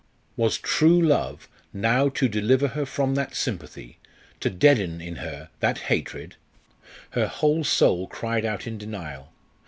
Was true love now to deliver her from that sympathy, to deaden in her that hatred? Her whole soul cried out in denial.